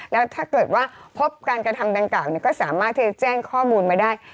แล้วถ้าเกิดว่าพบการกระทำดังกล่าวก็สามารถที่จะแจ้งข้อมูลมาได้